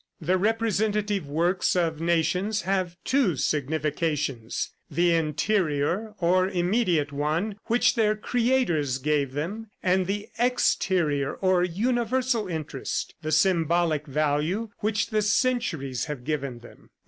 The representative works of nations have two significations the interior or immediate one which their creators gave them, and the exterior or universal interest, the symbolic value which the centuries have given them.